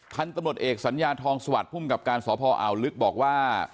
ท่านตำรวจเอกสัญญาทองสวัสดิ์ผู้มีกับการสภอลึกบอกว่า